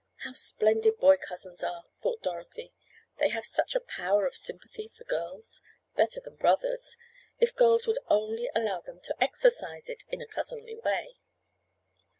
How splendid boy cousins are, thought Dorothy. They have such a power of sympathy for girls—better than brothers—if girls would only allow them to exercise it—in a cousinly way.